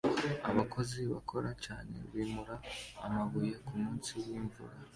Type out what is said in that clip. Abakozi bakora cyane bimura amabuye kumunsi wimvura